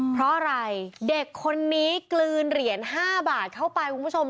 เพราะอะไรเด็กคนนี้กลืนเหรียญ๕บาทเข้าไปคุณผู้ชม